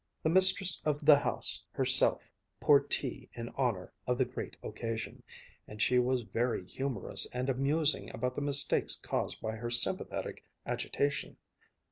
The mistress of the house herself poured tea in honor of the great occasion, and she was very humorous and amusing about the mistakes caused by her sympathetic agitation.